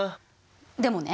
でもね